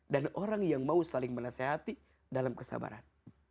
dan orang yang mau saling menasehati dalam kesabaran